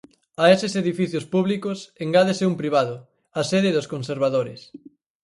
A eses edificios públicos engádese un privado, a sede dos conservadores.